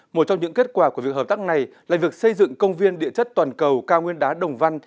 một trong những kết quả của việc hợp tác này là việc xây dựng công viên địa chất toàn cầu cao nguyên đá đồng văn